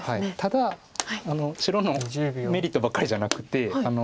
ただ白のメリットばっかりじゃなくて。